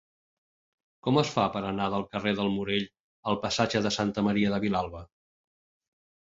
Com es fa per anar del carrer del Morell al passatge de Santa Maria de Vilalba?